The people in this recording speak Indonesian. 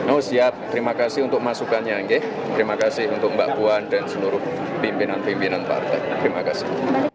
oh siap terima kasih untuk masukannya terima kasih untuk mbak puan dan seluruh pimpinan pimpinan partai terima kasih